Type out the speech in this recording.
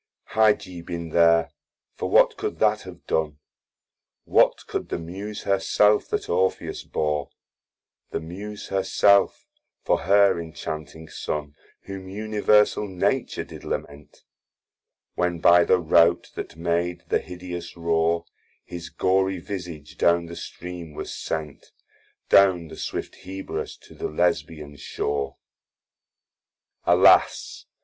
Had ye bin there for what could that have don? What could the Muse her self that Orpheus bore, The Muse her self, for her inchanting son Whom Universal nature did lament, When by the rout that made the hideous roar, His goary visage down the stream was sent, Down the swift Hebrus to the Lesbian shore. Alas!